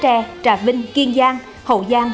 trè trà vinh kiên giang hậu giang